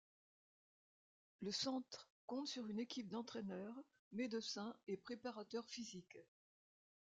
Le centre compte sur une équipe d’entraîneurs, médecins et préparateurs physiques.